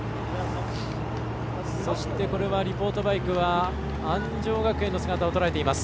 そして、リポートバイクは安城学園の姿、とらえています。